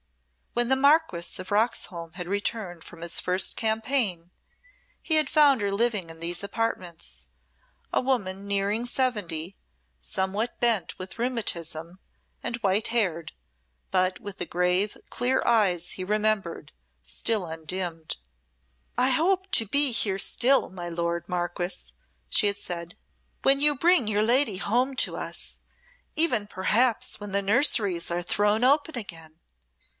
When the Marquess of Roxholm had returned from his first campaign he had found her living in these apartments a woman nearing seventy, somewhat bent with rheumatism, and white haired, but with the grave, clear eyes he remembered, still undimmed. "I hope to be here still, my lord Marquess," she had said, "when you bring your lady home to us even perhaps when the nurseries are thrown open again.